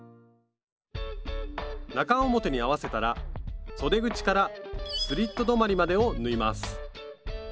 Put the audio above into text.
中表に合わせたらそで口からスリット止まりまでを縫います